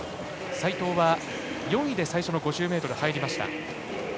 齋藤は４位で最初の５０ｍ入りました。